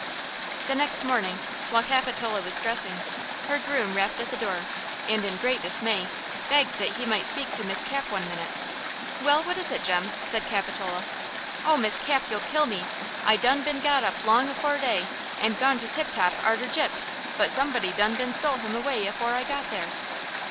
The next morning, while Capitola was dressing, her groom rapped at the door and, in great dismay, begged that he might speak to Miss Cap one minute. "Well, what is it, Jem?" said Capitola. "Oh, Miss Cap, you'll kill me! I done been got up long afore day and gone to Tip Top arter Gyp, but somebody done been stole him away afore I got there!"